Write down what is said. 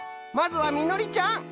まずはみのりちゃん。